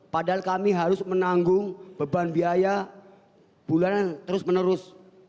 padahal kami harus menanggung beban biaya bulanan terus menerus